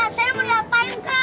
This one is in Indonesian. kak saya mau diapain kak